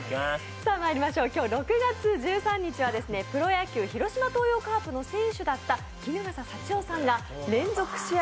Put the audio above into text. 今日６月１３日はプロ野球広島東洋カープの選手だった衣笠祥雄さんが連続試合